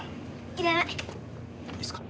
いいっすか？